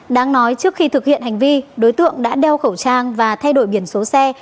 đáng nói trước khi thực hiện hành vi đối tượng đã đeo khẩu trang và thay đổi biển số xe